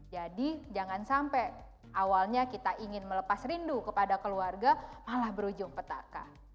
jadi jangan sampai awalnya kita ingin melepas rindu kepada keluarga malah berujung petaka